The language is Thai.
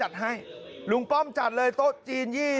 สมัยไม่เรียกหวังผม